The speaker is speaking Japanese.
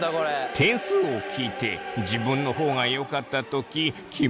点数を聞いて自分の方がよかった時気まずいよね？